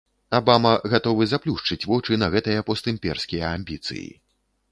Абама гатовы заплюшчыць вочы на гэтыя постімперскія амбіцыі.